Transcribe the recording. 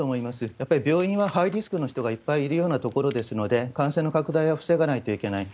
やっぱり病院はハイリスクの人がいっぱいいるようなところですので、感染の拡大は防がないといけない。